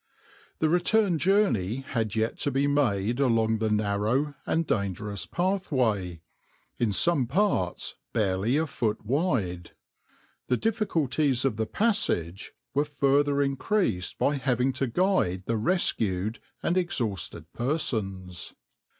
The return journey had yet to be made along the narrow and dangerous pathway, in some parts barely a foot wide. The difficulties of the passage were further increased by having to guide the rescued and exhausted persons.